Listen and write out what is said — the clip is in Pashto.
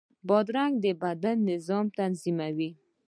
بادرنګ د بدن نظام تنظیموي.